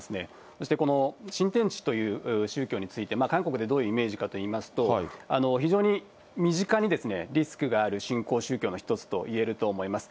そしてこの新天地という宗教について、韓国でどういうイメージかといいますと、非常に身近にリスクがある新興宗教の一つといえると思います。